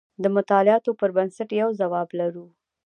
د مطالعاتو پر بنسټ یو ځواب لرو.